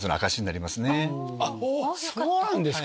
そうなんですか。